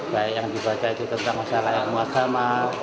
baik yang dibaca itu tentang masalah yang muagama